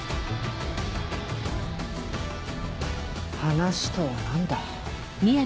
話とは何だ？